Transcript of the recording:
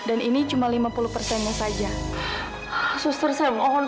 amira harus segera sembuh